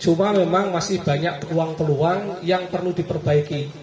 cuma memang masih banyak peluang peluang yang perlu diperbaiki